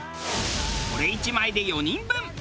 これ１枚で４人分。